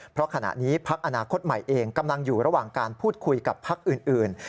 เพราะขณะนี้พักอนาคตใหม่เองกำลังอยู่ระหว่างการพูดคุยกับพักอื่น